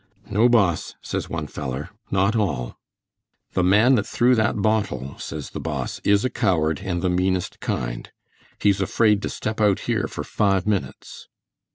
'No, Boss,' says one feller, 'not all.' 'The man that threw that bottle,' says the boss, 'is a coward, and the meanest kind. He's afraid to step out here for five minutes.'